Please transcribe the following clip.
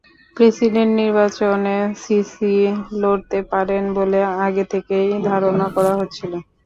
President নির্বাচনে Sisi লড়তে পারেন বলে আগে থেকেই ধারণা করা হচ্ছিল।